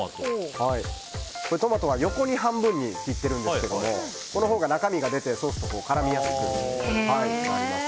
トマトは横に半分に切ってるんですけどこのほうが中身が出てソースと絡みやすくなります。